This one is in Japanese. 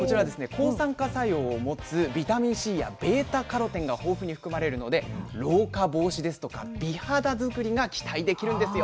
抗酸化作用を持つビタミンＣやβ−カロテンが豊富に含まれるので老化防止ですとか美肌作りが期待できるんですよ。